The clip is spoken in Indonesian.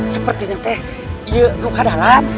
sepertinya dia terluka